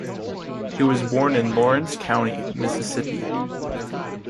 He was born in Lawrence County, Mississippi.